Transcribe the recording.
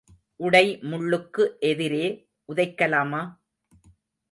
உடை முள்ளுக்கு எதிரே உதைக்கலாமா?